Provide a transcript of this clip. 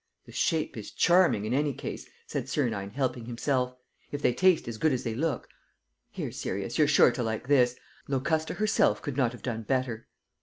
"The shape is charming, in any case," said Sernine, helping himself. "If they taste as good as they look. ... Here, Sirius, you're sure to like this. Locusta herself could not have done better."